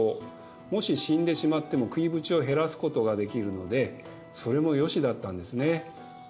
もし死んでしまっても食いぶちを減らすことができるのでそれもよしだったんですね。